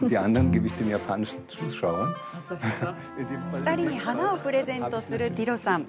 ２人に花をプレゼントするティロさん。